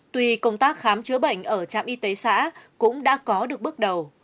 tuy công tác khám chữa bệnh ở trạm y tế xã cũng đã có được bước đầu